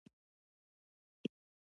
کومو مرکبونو ته اکساید ویل کیږي؟